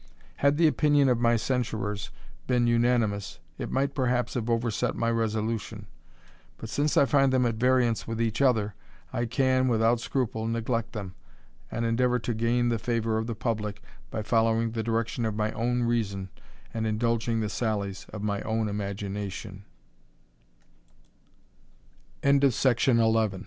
Had the opinion of my censurers been unanimous, it might perhaps have overset my resolution ; but since I find them at variance with each other, I can, without scrapie, neglect them, and endeavour to gain the favour of tile publick by following the direction of my own reason, *nd indulging the